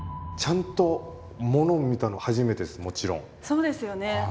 そうですよね。